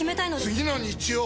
次の日曜！